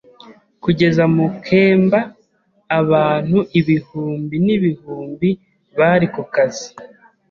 Kugeza mu kemba, abantu ibihumbi n'ibihumbi bari ku kazi.